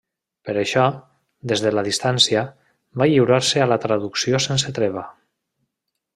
Per això, des de la distància, va lliurar-se a la traducció sense treva.